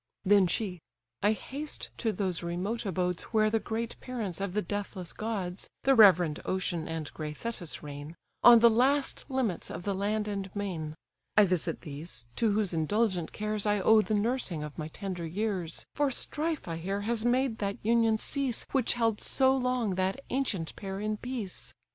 Then she—"I haste to those remote abodes Where the great parents of the deathless gods, The reverend Ocean and gray Tethys, reign, On the last limits of the land and main. I visit these, to whose indulgent cares I owe the nursing of my tender years: For strife, I hear, has made that union cease Which held so long that ancient pair in peace.